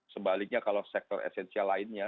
sebaliknya kalau sektor esensial lainnya